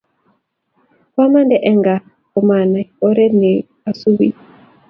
Kwamande eng' kaa komanai oret neasupi